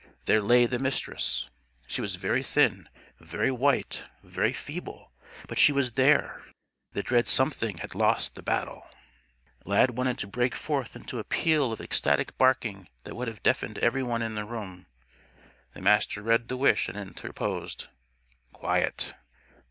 There lay the Mistress. She was very thin, very white, very feeble. But she was there. The dread Something had lost the battle. Lad wanted to break forth into a peal of ecstatic barking that would have deafened every one in the room. The Master read the wish and interposed, "_Quiet!